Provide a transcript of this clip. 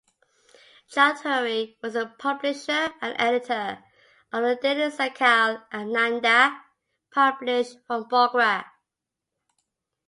Chowdhury was the publisher and editor of the daily Sakal Ananda published from Bogra.